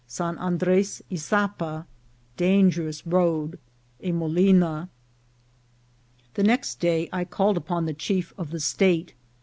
— San Andres Isapa. — Dangerous Road. — A Molina. THE next day I called upon the chief of the state.